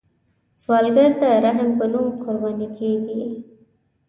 سوالګر د رحم په نوم قرباني کیږي